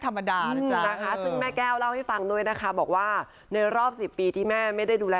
ธรรมดานะคะซึ่งแม่แก้วเล่าให้ฟังด้วยนะคะบอกว่าในรอบ๑๐ปีที่แม่ไม่ได้ดูแล